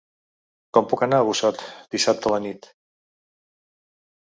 Com puc anar a Busot dissabte a la nit?